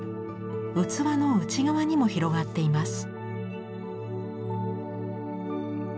器の内側にも広がっています。